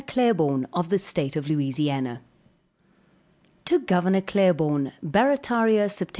Claiborne of the state of Louisiana. To Gov. CLAIBORNE. Barrataria, Sept.